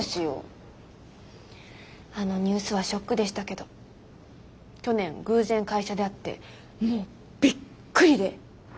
あのニュースはショックでしたけど去年偶然会社で会ってもうビックリで。